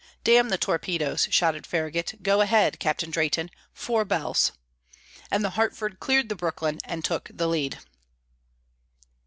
"Damn the torpedoes!" shouted Farragut. "Go ahead, Captain Drayton! Four bells!" and the Hartford cleared the Brooklyn and took the lead.